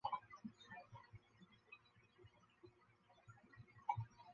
在中国历史上是历代政权的状态和里程碑之一。